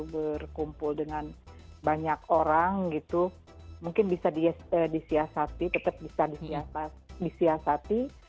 berkumpul dengan banyak orang gitu mungkin bisa disiasati tetap bisa disiasati